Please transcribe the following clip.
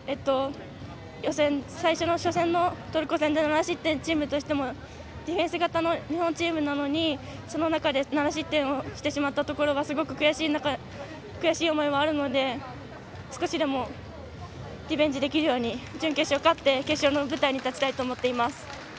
予選、最初の初戦もトルコ戦で７失点、チームとしてもディフェンス型の日本でその中で７失点してしまったのはすごく悔しい思いはあるので少しでも、リベンジできるように準決勝勝って、決勝の舞台に立ちたいと思います。